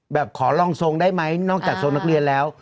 ขอลองทรงได้ไหมนอกจากทรงนักเรียนแล้ว